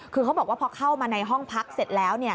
คือเขาบอกว่าพอเข้ามาในห้องพักเสร็จแล้ว